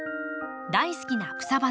大好きな草花